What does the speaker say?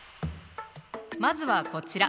まずはこちら。